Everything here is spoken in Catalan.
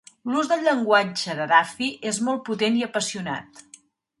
L'ús del llenguatge de Duffy és molt potent i apassionat.